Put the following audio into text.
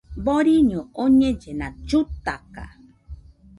Boriño oñellena, llutaka